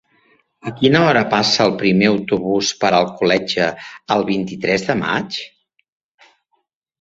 A quina hora passa el primer autobús per Alcoletge el vint-i-tres de maig?